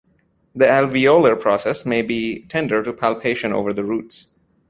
The alveolar process may be tender to palpation over the roots.